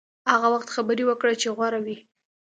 هغه وخت خبرې وکړه چې غوره وي.